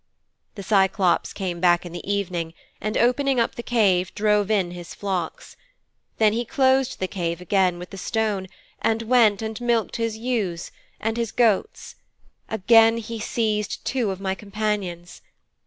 'The Cyclops came back in the evening, and opening up the cave drove in his flocks. Then he closed the cave again with the stone and went and milked his ewes and his goats. Again he seized two of my companions.